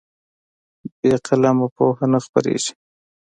بې قلمه پوهه نه خپرېږي.